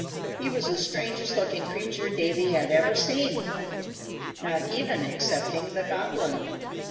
He was the strangest looking creature Davy had ever seen, not even excepting the Goblin.